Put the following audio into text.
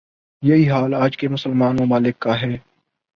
یہی حال آج کے مسلمان ممالک کا ہے ۔